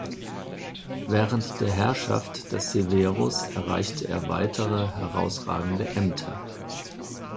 Während der Herrschaft des Severus erreichte er weitere herausragende Ämter.